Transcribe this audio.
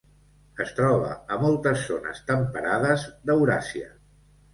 Es troba a moltes zones temperades d'Euràsia.